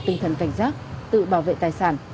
tinh thần cảnh giác tự bảo vệ tài sản